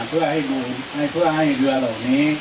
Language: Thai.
เพื่อให้เรือเหล่านี้